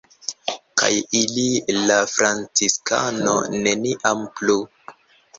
Kaj ilin la franciskano neniam plu!